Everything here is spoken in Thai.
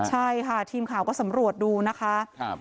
ใช่ค่ะทีมข่าวก็สำรวจดูนะคะ